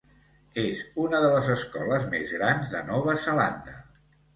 És una de les escoles més grans de Nova Zelanda.